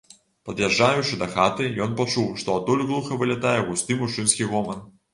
Пад'язджаючы да хаты, ён пачуў, што адтуль глуха вылятае густы мужчынскі гоман.